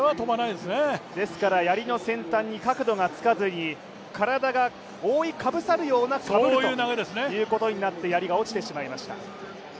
やりの先端に角度がつかずに体が覆いかぶさるような、かぶるということになってやりが落ちてしまいました。